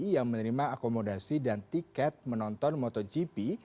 yang menerima akomodasi dan tiket menonton motogp